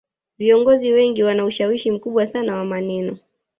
viongozi wengi wana ushawishi mkubwa sana wa maneno